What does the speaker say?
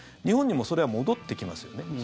日本にもそれは戻ってきますよね。